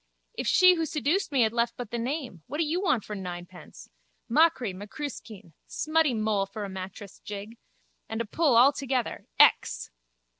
If she who seduced me had left but the name. What do you want for ninepence? Machree, macruiskeen. Smutty Moll for a mattress jig. And a pull all together. _Ex!